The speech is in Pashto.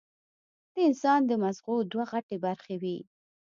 د انسان د مزغو دوه غټې برخې وي